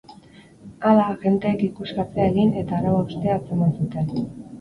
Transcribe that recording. Hala, agenteek ikuskatzea egin eta arau-haustea atzeman zuten.